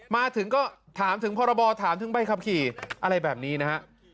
มาถึงก็ถามถึงพรบถามถึงใบขับขี่อะไรแบบนี้นะฮะ